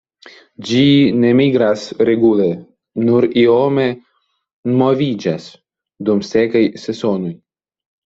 Ĝi ne migras regule, nur iome moviĝas dum sekaj sezonoj.